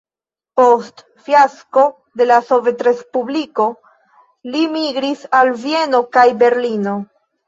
Post fiasko de la sovetrespubliko li migris al Vieno kaj Berlino.